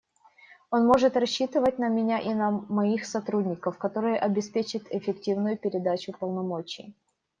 Он может рассчитывать на меня и на моих сотрудников, которые обеспечат эффективную передачу полномочий.